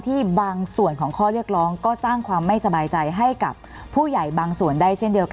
บางส่วนของข้อเรียกร้องก็สร้างความไม่สบายใจให้กับผู้ใหญ่บางส่วนได้เช่นเดียวกัน